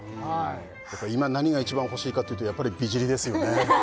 やっぱ今何が一番欲しいかというとやっぱり美尻ですよね